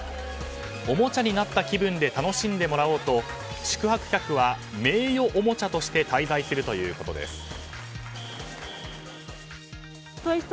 おもちゃになった気分で楽しんでもらおうと宿泊客は名誉おもちゃとして滞在するということです。